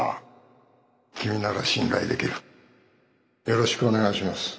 よろしくお願いします。